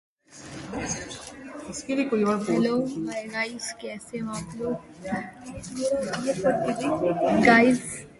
The wing has a laminar flow airfoil with top surface air brakes.